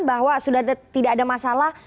bahwa sudah tidak ada masalah